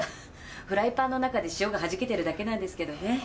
フライパンの中で塩がはじけてるだけなんですけどね。